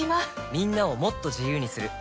みんなをもっと自由にする「三菱冷蔵庫」